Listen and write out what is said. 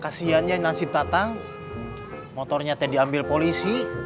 kasiannya nasib tatang motornya tadi ambil polisi